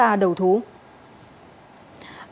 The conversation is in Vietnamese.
đó là nguyễn tuấn anh